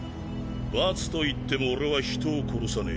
罰といっても俺は人を殺さねえ。